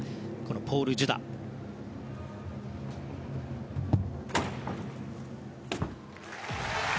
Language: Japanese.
ポール・ジュダです。